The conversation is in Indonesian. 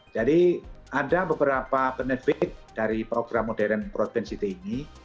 jadi ada beberapa benefit dari program modern broadband city ini